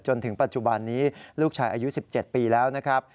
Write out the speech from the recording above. จนถึงปัจจุบันนี้ลูกชายอายุ๑๗ปีแล้วนะครับ